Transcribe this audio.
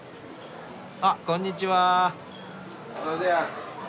あっこんにちは。